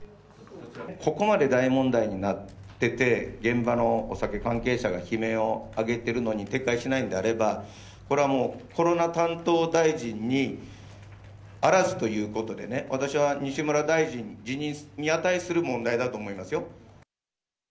ここまで大問題になってて、現場のお酒関係者が悲鳴を上げているのに撤回しないんであれば、これはもうコロナ担当大臣にあらずということでね、私は西村大臣、辞任に値する問題だと思いますよ。